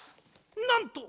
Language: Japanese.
なんと！